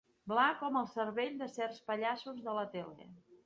Bla com el cervell de certs pallassos de la tele.